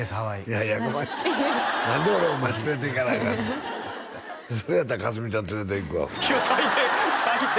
いやいやお前何で俺お前連れていかなアカンねんそれやったら佳純ちゃん連れていくわいや最低最低！